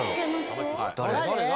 誰？